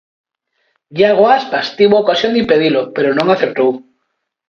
Iago Aspas tivo ocasión de impedilo, pero non acertou.